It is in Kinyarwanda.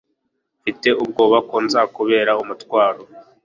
Mfite ubwoba ko nzakubera umutwaro